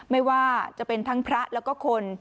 ไม่ว่าจะเป็นทั้งพระแล้วก็คน